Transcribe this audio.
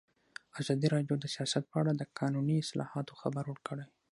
ازادي راډیو د سیاست په اړه د قانوني اصلاحاتو خبر ورکړی.